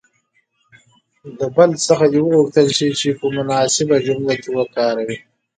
له بل څخه دې وغوښتل شي چې په مناسبه جمله کې وکاروي.